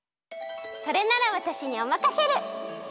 それならわたしにおまかシェル！